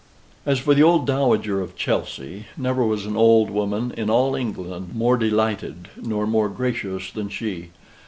As for the old Dowager of Chelsey, never was an old woman in all England more delighted nor more gracious than she.